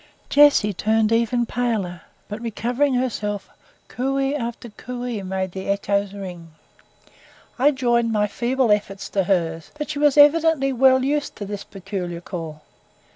Jessie turned even paler, but recovering herself, "coo ey" after "coo ey" made the echoes ring. I joined my feeble, efforts to hers; but she was evidently well used to this peculiar call.